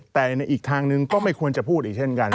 แต่ในอีกทางหนึ่งก็ไม่ควรจะพูดอีกเช่นกัน